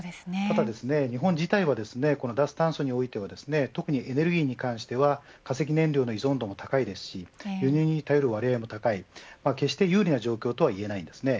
日本自体は脱炭素においては特にエネルギーに関しては化石燃料の依存度も高いですし輸入に頼る割合も高く、決して有利な状況とは言えません。